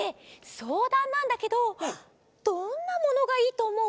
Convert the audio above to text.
そうだんなんだけどどんなものがいいとおもう？